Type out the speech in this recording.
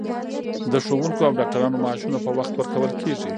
د ښوونکو او ډاکټرانو معاشونه په وخت ورکول کیږي.